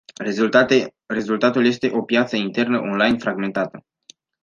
Rezultatul este o piață internă online fragmentată.